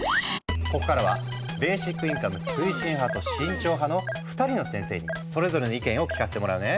ここからはベーシックインカム推進派と慎重派の２人の先生にそれぞれの意見を聞かせてもらうね。